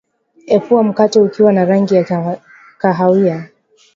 epua mkate ukiwa na rangi ta kahawia